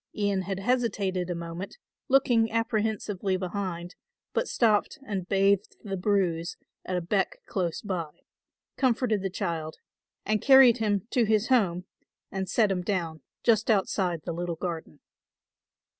Ian had hesitated a moment, looking apprehensively behind, but stopped and bathed the bruise at a beck close by, comforted the child and carried him to his home and set him down just outside the little garden.